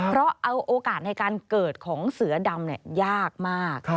เพราะเอาโอกาสในการเกิดของเสือดำยากมาก